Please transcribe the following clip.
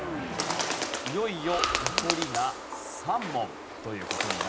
いよいよ残りが３問という事になりました。